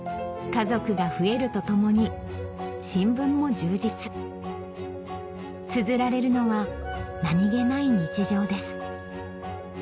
家族が増えるとともに新聞も充実つづられるのは何げない日常です